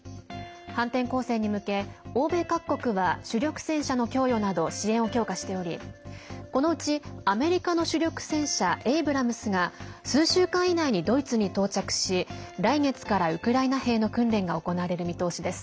反転攻勢に向け、欧米各国は主力戦車の供与など支援を強化しておりこのうち、アメリカの主力戦車エイブラムスが数週間以内にドイツに到着し来月からウクライナ兵の訓練が行われる見通しです。